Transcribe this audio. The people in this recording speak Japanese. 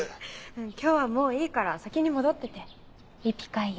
今日はもういいから先に戻っててイピカイエ。